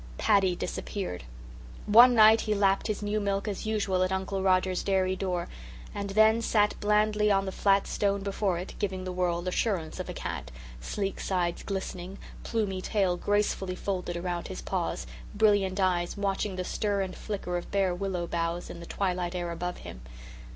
Paddy disappeared. One night he lapped his new milk as usual at Uncle Roger's dairy door and then sat blandly on the flat stone before it, giving the world assurance of a cat, sleek sides glistening, plumy tail gracefully folded around his paws, brilliant eyes watching the stir and flicker of bare willow boughs in the twilight air above him.